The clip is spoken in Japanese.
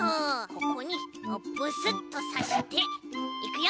ここにブスッとさしていくよ！